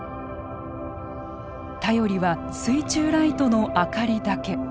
頼りは水中ライトの明かりだけ。